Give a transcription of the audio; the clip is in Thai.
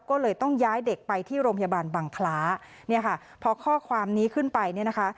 ก็เลยต้องย้ายเด็กไปที่โรงพยาบาลบังคล้าเนี่ยค่ะพอข้อความนี้ขึ้นไปเนี่ยนะคะ